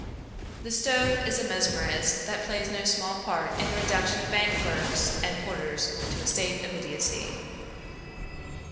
The stove is a mesmerist that plays no small part in the reduction of bank clerks and porters to a state of idiocy.